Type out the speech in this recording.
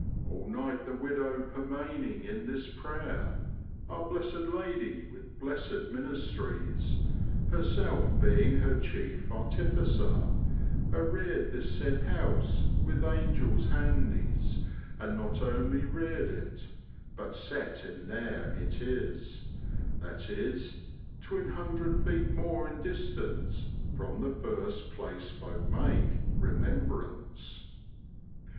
All night the wedowe permayning in this prayer, Our blessed Ladie with blessed minystrys, Herself being her chief artificer, Arrered this sayde house with Angells handys, And not only rered it but sette in there it is, That is twyne hundred feet more in distance From the first place folk make remembraince."